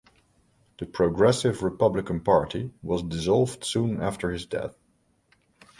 The Progressive Republican Party was dissolved soon after his death.